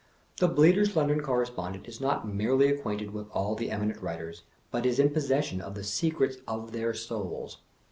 The Bl&ater's London Correspondent is not merely acquainted with aU the emi nent writers, but is in possession of the secrets of their souls.